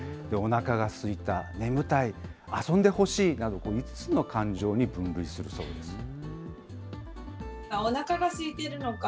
おなかがすいた、眠たい、遊んでほしいなど、５つの感情に分類するそうです。